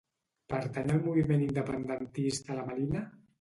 Pertany al moviment independentista la Melina?